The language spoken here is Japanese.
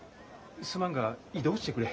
すまんが移動してくれ。